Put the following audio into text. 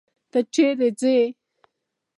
ته چيري ځې.